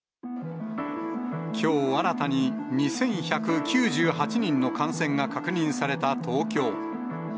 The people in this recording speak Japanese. きょう新たに、２１９８人の感染が確認された東京。